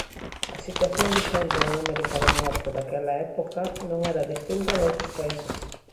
A situación vixente en América do Norte daquela época non era distinta noutros países.